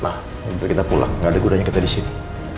nah minta kita pulang gak ada gudanya kita disini